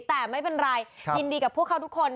แต่ไม่เป็นไรยินดีกับพวกเขาทุกคน